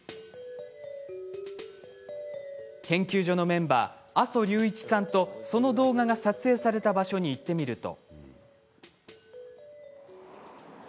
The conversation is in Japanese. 研究所のメンバー阿曽隆一さんとその動画が撮影された場所に行ってみると。